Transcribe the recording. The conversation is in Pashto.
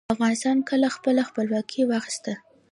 افغانستان کله خپله خپلواکي واخیسته؟